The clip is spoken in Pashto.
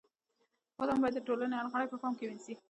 فلم باید د ټولنې هر غړی په پام کې ونیسي